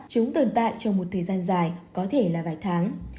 chúng tồn tại trong một thời gian dài có thể là vài tháng